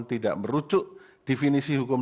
tidak merucuk definisi hukum